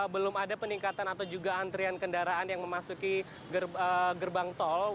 belum ada peningkatan atau juga antrian kendaraan yang memasuki gerbang tol